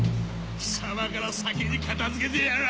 貴様から先に片付けてやる！